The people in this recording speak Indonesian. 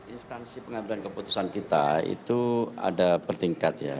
instansi pengambilan keputusan kita itu ada pertingkatnya